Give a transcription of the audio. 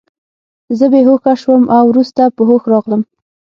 زه بې هوښه شوم او وروسته په هوښ راغلم